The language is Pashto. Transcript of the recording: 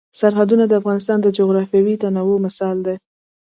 سرحدونه د افغانستان د جغرافیوي تنوع مثال دی.